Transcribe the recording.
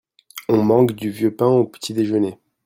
on mangue du vieux pain au petit-déjeuner.